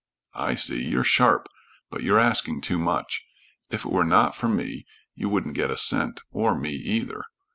"I see. You're sharp, but you're asking too much. If it were not for me, you wouldn't get a cent, or me either.